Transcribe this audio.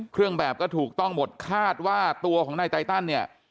เครื่องแบบก็ถูกต้องหมดคาดว่าตัวของนายไตตันเนี่ย